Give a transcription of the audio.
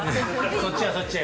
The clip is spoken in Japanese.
◆そっちはそっちで。